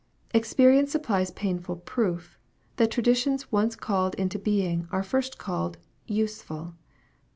Experience supplies painful proof, that traditions once called into being are first called useful.